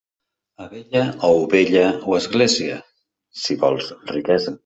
Abella o ovella o església, si vols riquesa.